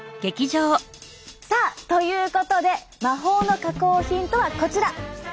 さあということで魔法の加工品とはこちら！